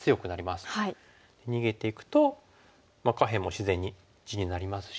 逃げていくと下辺も自然に地になりますし。